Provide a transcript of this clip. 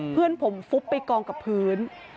เพื่อนผมฟุบไปกองกับพื้น